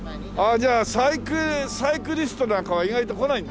じゃあサイクリストなんかは意外と来ないんだ？